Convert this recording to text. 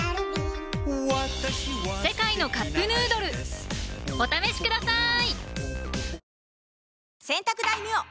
「世界のカップヌードル」お試しください！